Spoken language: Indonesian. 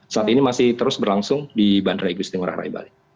saat ini masih terus berlangsung di bandara igusti ngurah rai bali